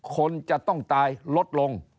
คนจะต้องตายลดลง